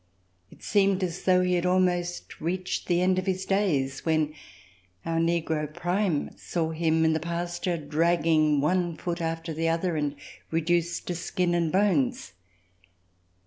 It seemed as though he had almost reached the end of his days, when our negro, Prime, saw him in the pasture dragging one foot after the other and reduced to skin and bones.